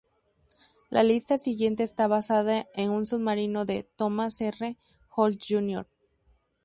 La lista siguiente está basada en un sumario de Thomas R. Holz, Jr.